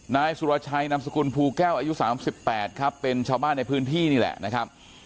นายสุรชัยนามสกุลภูแก้วอายุ๓๘ครับเป็นชาวบ้านในพื้นที่นี่แหละนะครับ